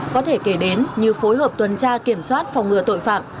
có thể kể đến như phối hợp tuần tra kiểm soát phòng ngừa tội phạm